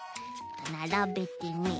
ならべてね。